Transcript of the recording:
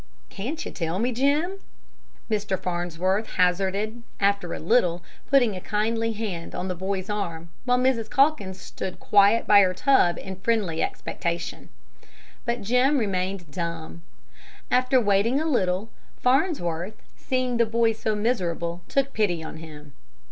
"Can't you tell me, Jim?" Mr. Farnsworth hazarded, after a little, putting a kindly hand on the boy's arm, while Mrs. Calkins stood quiet by her tub in friendly expectation. But Jim remained dumb. After waiting a little, Farnsworth, seeing the boy so miserable, took pity on him.